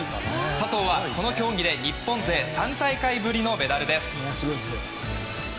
佐藤は、この競技で日本勢３大会ぶりのメダルです。